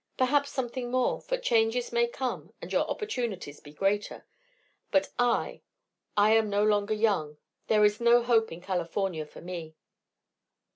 Perhaps something more, for changes may come and your opportunities be greater. But I I am no longer young; there is no hope in California for me."